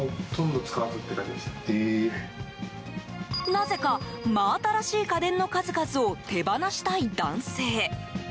なぜか、真新しい家電の数々を手放したい男性。